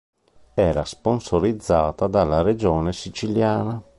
Era sponsorizzata dalla "Regione Siciliana".